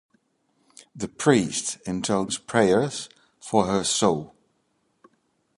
The priest intones prayers for her soul.